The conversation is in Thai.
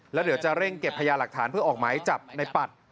แล้วเดี๋ยวจะเร่งเก็บพยาหลักฐานเพื่อออกหมายจับในปัด